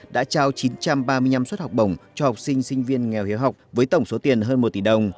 đã trao chín trăm ba mươi năm suất học bổng cho học sinh sinh viên nghèo hiếu học với tổng số tiền hơn một tỷ đồng